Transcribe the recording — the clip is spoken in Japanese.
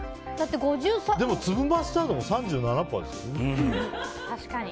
でも、粒マスタードも３７％ですよ？